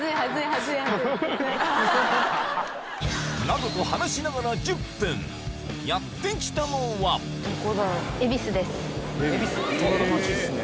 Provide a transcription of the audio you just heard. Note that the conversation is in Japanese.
などと話しながら１０分やって来たのはここ！